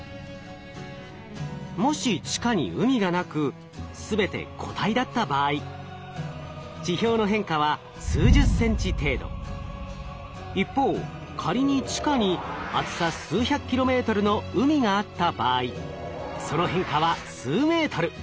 もし地下に海がなく全て固体だった場合一方仮に地下に厚さ数百ｋｍの海があった場合その変化は数ｍ。